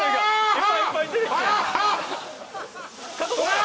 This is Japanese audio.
いっぱいいっぱい出てきてるうわ！